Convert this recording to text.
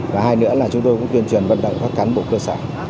và hai nữa là chúng tôi cũng tuyên truyền vận động các cán bộ cơ sở